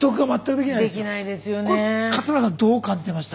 これ勝村さんどう感じてました？